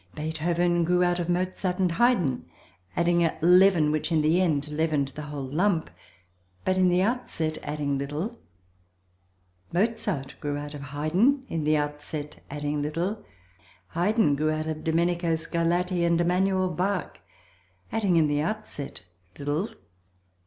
Beethoven grew out of Mozart and Haydn, adding a leaven which in the end leavened the whole lump, but in the outset adding little; Mozart grew out of Haydn, in the outset adding little; Haydn grew out of Domenico Scarlatti and Emmanuel Bach, adding, in the outset, little.